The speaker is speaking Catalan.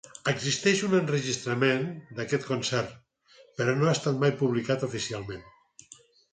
Existeix un enregistrament d'aquest concert, però no ha estat mai publicat oficialment.